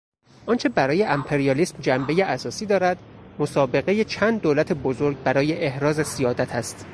آنچه برای امپریالیسم جنبهٔ اساسی دارد مسابقهٔ چند دولت بزرگ برای احراز سیادت است.